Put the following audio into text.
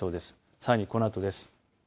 さらにこのあとです。